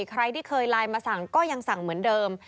ใครที่เคยไลน์มาสั่งก็ยังสั่งเหมือนเดิม